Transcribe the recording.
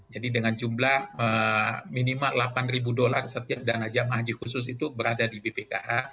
jadi dengan jumlah minimal delapan ribu dolar setiap dana jemaah haji khusus itu berada di bpkh